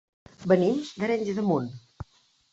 Venim d'Arenys de Munt.